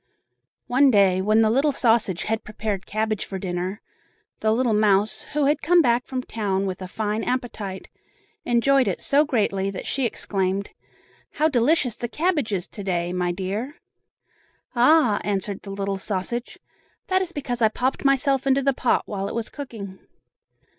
One day, when the little sausage had prepared cabbage for dinner, the little mouse, who had come back from town with a fine appetite, enjoyed it so greatly that she exclaimed: "How delicious the cabbage is to day, my dear!" "Ah!" answered the little sausage, "that is because I popped myself into the pot while it was cooking."